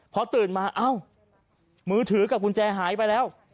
พอตื่นมาเอ้ามือถือกับกุญแจหายไปแล้ว